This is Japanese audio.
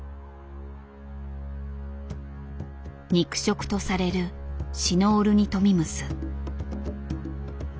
肉食とされるシノオルニトミムス。